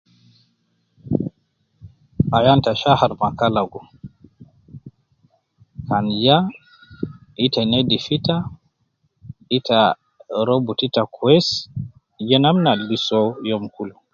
Ayan ta shahar makalagu, kan ja, ita nedif ita, ita ah robutu ita kwesi, je namna al gi soo youm, kul